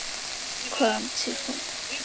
坤布崎峰